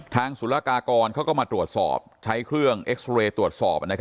ศุลกากรเขาก็มาตรวจสอบใช้เครื่องเอ็กซอเรย์ตรวจสอบ